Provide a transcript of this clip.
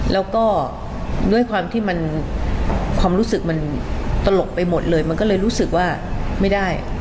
แล้วก็ด้วยความที่มันความรู้สึกมันตลกไปหมดเลยมันก็เลยรู้สึกว่าไม่ได้